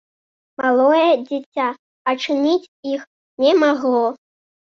Малое дзіця адчыніць іх не магло.